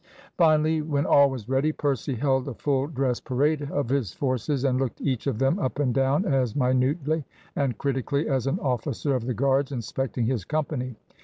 Finally, when all was ready, Percy held a full dress parade of his forces, and looked each of them up and down as minutely and critically as an officer of the Guards inspecting his company.